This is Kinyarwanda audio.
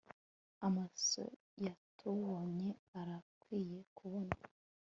Amaso yatubonye atarakwiye kubona